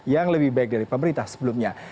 yang lebih baik dari pemerintah sebelumnya